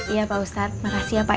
iya pak ustadz makasih ya pak